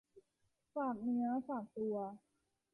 ฝากเนื้อฝากตัว